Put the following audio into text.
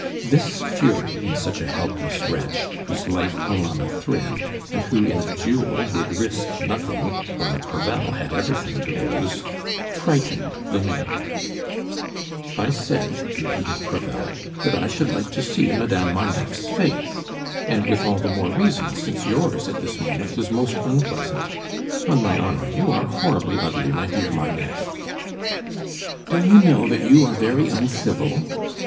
This fury in such a helpless wretch, whose life hung on a thread, and who in a duel would risk nothing while Crevel had everything to lose, frightened the Mayor. "I said," repeated Crevel, "that I should like to see Madame Marneffe's face. And with all the more reason since yours, at this moment, is most unpleasant. On my honor, you are horribly ugly, my dear Marneffe " "Do you know that you are very uncivil?"